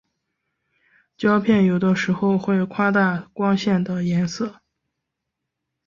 胶片有的时候会夸大光线的颜色。